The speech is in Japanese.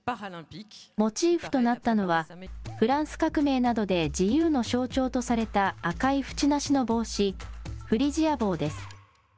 モチーフとなったのは、フランス革命などで自由の象徴とされた赤い縁なしの帽子、フリジア帽です。